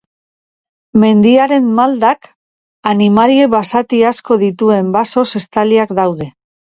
Mendiaren maldak, animalia basati asko dituen basoz estaliak daude.